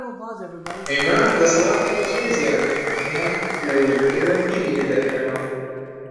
ئێمە دەسەڵاتێکی زۆر زیاترمان هەیە لەوەی ئێوە بیری لێ دەکەنەوە.